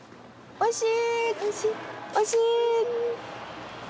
おいしい？